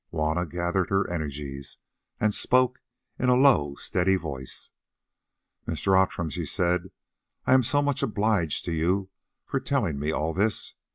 Juanna gathered her energies, and spoke in a low steady voice. "Mr. Outram," she said, "I am so much obliged to you for telling me all this.